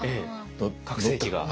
拡声器が。